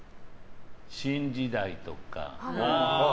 「新時代」とか。